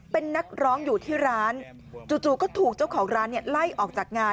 เป็นนักร้องอยู่ที่ร้านจู่ก็ถูกเจ้าของร้านไล่ออกจากงาน